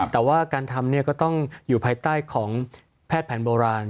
แต่ว่าการทำก็ต้องอยู่ภายใต้ของแพทย์แผนโบราณ